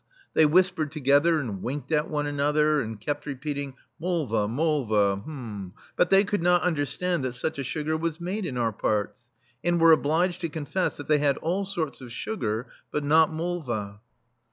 They whispered together, and winked at one another, and kept repeating ^^Molva^molva^^ but they could not understand that such a sugar was made in our parts, and were obliged to confess that they had all sorts of sugar, but not moha.